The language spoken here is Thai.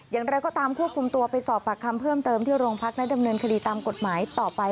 อย่างไรก็ตามควบคุมตัวไปสอบปากคำเพิ่มเติมที่โรงพักและดำเนินคดีตามกฎหมายต่อไป